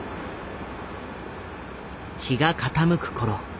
日が傾く頃。